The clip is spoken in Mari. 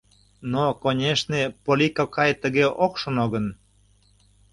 — Но, конешне, Полли кокай тыге ок шоно гын...